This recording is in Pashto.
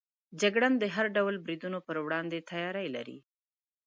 جګړن د هر ډول بریدونو پر وړاندې تیاری لري.